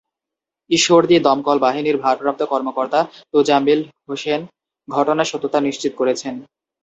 ঈশ্বরদী দমকল বাহিনীর ভারপ্রাপ্ত কর্মকর্তা তোজাম্মেল হোসেন ঘটনার সত্যতা নিশ্চিত করেছেন।